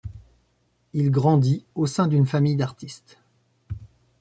Il grandit au sein d'une famille d'artistes.